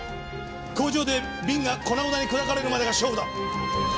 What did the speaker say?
工場で瓶が粉々に砕かれるまでが勝負だ。